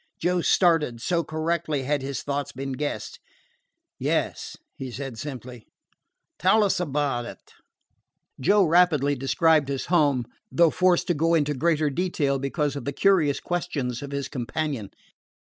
Joe started, so correctly had his thought been guessed. "Yes," he said simply. "Tell us about it." Joe rapidly described his home, though forced to go into greater detail because of the curious questions of his companion.